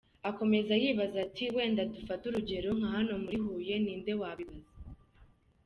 Akomeza yibaza ati « Wenda dufate urugero nka hano muri Huye, ni nde wabibaza ?».